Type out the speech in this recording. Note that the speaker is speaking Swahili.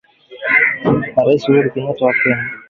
Marais Uhuru Kenyata wa Kenya